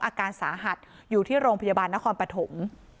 อาการสาหัสอยู่ที่โรงพยาบาลนครปฐม